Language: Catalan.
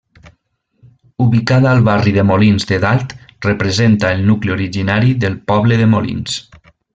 Ubicada al barri de Molins de dalt, representa el nucli originari del poble de Molins.